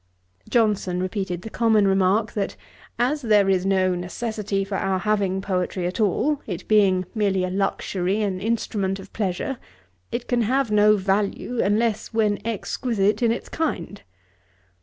Johnson repeated the common remark, that, 'as there is no necessity for our having poetry at all, it being merely a luxury, an instrument of pleasure, it can have no value, unless when exquisite in its kind.'